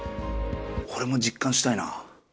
俺も実感したいな。